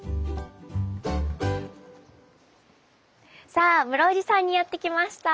さあ室生寺さんにやって来ました。